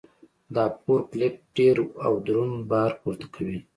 دا فورک لیفټ ډېر او دروند بار پورته کوي.